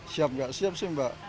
siap nggak siap sih mbak